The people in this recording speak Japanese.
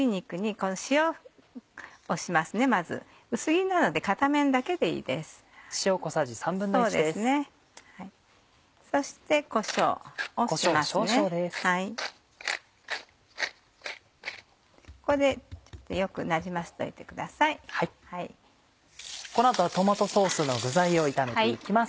この後はトマトソースの具材を炒めて行きます。